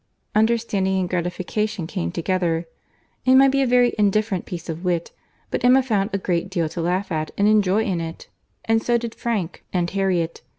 Understanding and gratification came together. It might be a very indifferent piece of wit, but Emma found a great deal to laugh at and enjoy in it—and so did Frank and Harriet.